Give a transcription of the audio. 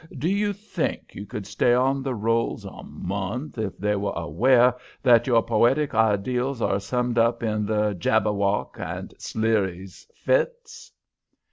Do you think you could stay on the rolls a month if they were aware that your poetic ideals are summed up in the 'Jabberwock' and 'Sleary's Fits'?"